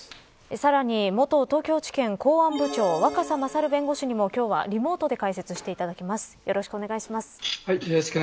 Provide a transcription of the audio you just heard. さらに元東京地検公安部長若狭勝弁護士にも、今日はリモートで解説していただきます。